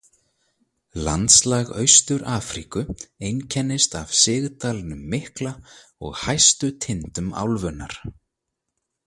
Landslag Austur-Afríku einkennist af Sigdalnum mikla og hæstu tindum álfunnar.